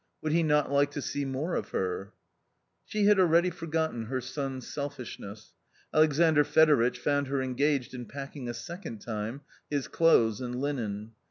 Would he not like to see more of her ? She had already forgotten her son's selfishness. Alexandr Fedoritch found her engaged in packing a second time his clothes and linen.